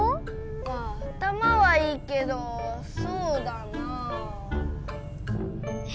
まあ頭はいいけどそうだな。え？